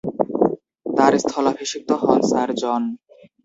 তাঁর স্থলাভিষিক্ত হন স্যার জন।